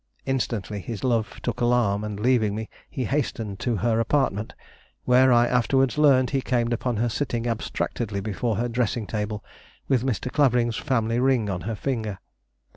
Instantly his love took alarm, and leaving me, he hastened to her apartment, where I afterwards learned he came upon her sitting abstractedly before her dressing table with Mr. Clavering's family ring on her finger.